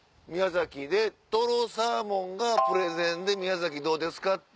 とろサーモンがプレゼンで「宮崎どうですか？」って。